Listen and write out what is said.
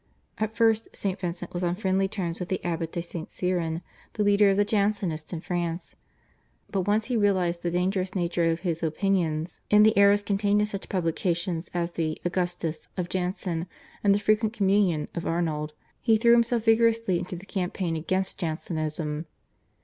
At first St. Vincent was on friendly terms with the Abbot de St. Cyran, the leader of the Jansenists in France, but once he realised the dangerous nature of his opinions and the errors contained in such publications as the /Augustus/ of Jansen and the /Frequent Communion/ of Arnauld he threw himself vigorously into the campaign against Jansenism.